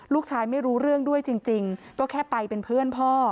ไม่รู้เรื่องด้วยจริงก็แค่ไปเป็นเพื่อนพ่อ